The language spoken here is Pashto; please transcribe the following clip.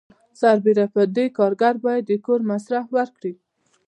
سربیره پر دې کارګر باید د کور مصرف ورکړي.